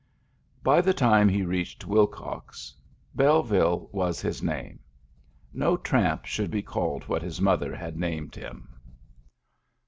By the time he reached Willcox, Belleville was his name. No tramp should be called what his mother had named him.